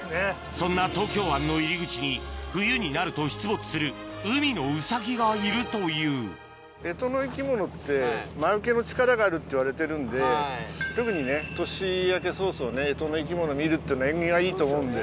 そんな東京湾の入り口に冬になると出没する海のウサギがいるというっていわれてるんで特にね年明け早々干支の生き物見るっていうのは縁起がいいと思うんで。